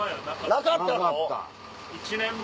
なかった。